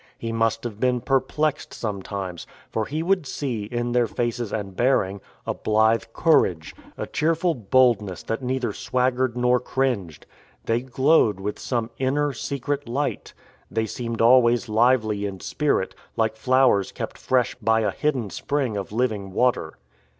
He must have been perplexed sometimes; for he would see, in their faces and bear ing, a blithe courage, a cheerful boldness that neither swaggered nor cringed. They glowed with some inner, secret light. They seemed always lively in spirit, like flowers kept fresh by a hidden spring of living water.